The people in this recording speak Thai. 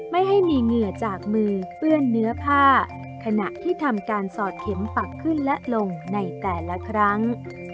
ไม่ให้มีเหงื่อจากมือเปื้อนเนื้อผ้าขณะที่ทำการสอดเข็มปักขึ้นและลงในแต่ละครั้ง